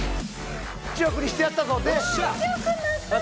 １億にしてやったぞでわあ